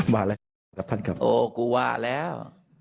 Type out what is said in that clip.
กลัวแล้วท่านคิดโอ้กูว่าแล้ว